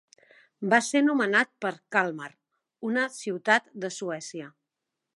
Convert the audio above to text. Va ser nomenat per Kalmar, una ciutat de Suècia.